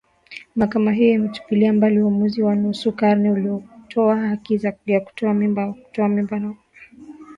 mahakama hiyo imetupilia mbali uamuzi wa nusu karne uliotoa haki ya kikatiba ya kutoa mimba na kwa hivyo sasa majimbo yameachiwa uhuru